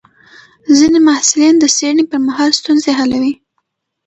ځینې محصلین د څېړنې پر مهال ستونزې حلوي.